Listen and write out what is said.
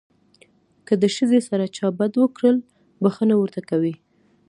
که د ښځې سره چا بد وکړل بښنه ورته کوي.